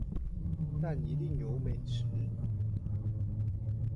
但一定有美食